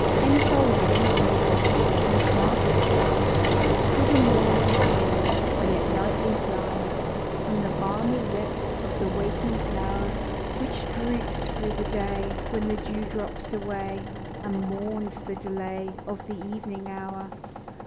Enfolded in fragrance, Entranc'd it lies, THE DEW DROP. 71 Till the morning's dawn, When it lightly flies From the balmy lips Of the waking flower, Which droops through the day, When the dew drop's away, And mourns the delay Of the evening hour.